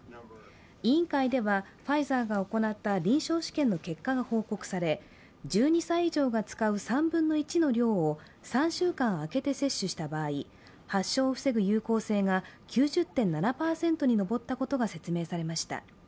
委員会ではファイザーが行った臨床試験の結果が報告され、１２歳以上が使う３分の１の量を３週間あけて接種した場合、発症を防ぐ有効性が９０．７％に上ったことが説明されました。